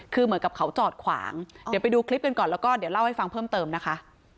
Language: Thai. คือเหมือนกับเขาจอดขวางเดี๋ยวไปดูคลิปกันก่อนแล้วก็เดี๋ยวเล่าให้ฟังเพิ่มเติมนะคะ